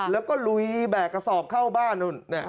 แล้วก็ลุยแบกกระสอบเข้าบ้านนู่น